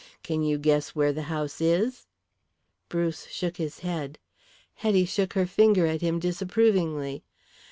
Can you guess where the house is?" Bruce shook his head. Hetty shook her finger at him disapprovingly.